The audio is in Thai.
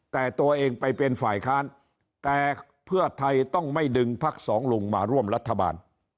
แต่ตัวเองไปเป็นฝ่ายค้านแต่เพื่อไทยต้องไม่ดึงพักสองลุงมาร่วมรัฐบาล